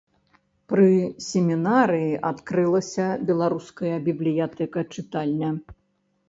Пры семінарыі адкрылася беларуская бібліятэка-чытальня.